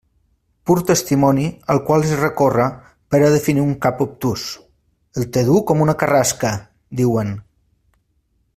Pur testimoni al qual es recorre per a definir un cap obtús: «el té dur com una carrasca», diuen.